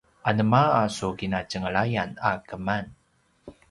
anema a su kinatjenglayan a keman?